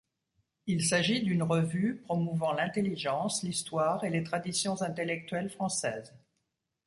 Il s'agit d'une revue promouvant l'intelligence, l'histoire et les traditions intellectuelles françaises.